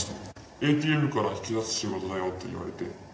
ＡＴＭから引き出す仕事だよと言われて。